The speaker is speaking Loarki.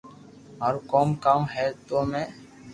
مارو ڪوم ڪاو ھي تو ۾